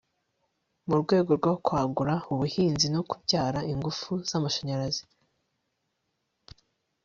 mu rwego rwo kwagura ubuhinzi no kubyara ingufu z'amashanyarazi